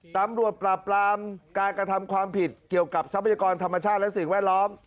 ตำรวจปราบปรามการกระทำความผิดเกี่ยวกับทรัพยากรธรรมชาติและสิ่งแวดล้อม